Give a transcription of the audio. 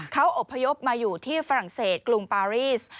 เขาอบพยพมาอยู่ที่ฝรั่งเศสกรุงปารีส